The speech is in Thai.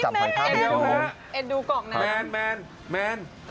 พี่แม่นักดูเกากนั้น